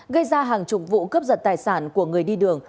gây ra hàng chục vụ cướp giật tài sản của người đi đường